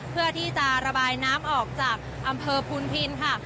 เพื่อที่จะระบายน้ำออกจากอำเภอพุนพินค่ะ